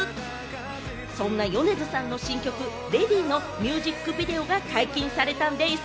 そんな米津さんの新曲『ＬＡＤＹ』のミュージックビデオが解禁されたんでぃす！